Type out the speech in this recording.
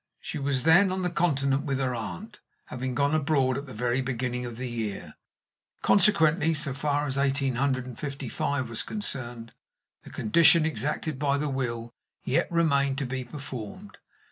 She was then on the Continent with her aunt, having gone abroad at the very beginning of the year. Consequently, so far as eighteen hundred and fifty five was concerned, the condition exacted by the will yet remained to be performed.